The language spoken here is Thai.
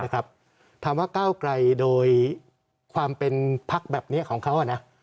ครับถามว่าก้าวไกรโดยความเป็นพักแบบเนี้ยของเขาอะนะ